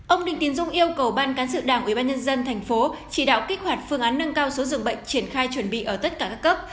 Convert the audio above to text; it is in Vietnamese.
ông đinh tiến dũng yêu cầu ban cán sự đảng ubnd tp chỉ đạo kích hoạt phương án nâng cao số dường bệnh triển khai chuẩn bị ở tất cả các cấp